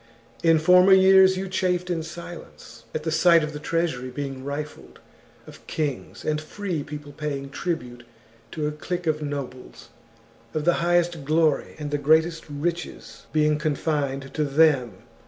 In former years you chafed in silence at the sight of the treasury being rifled, of kings and free people paying tribute to a clique of nobles, of the highest glory and the greatest riches being confined to them.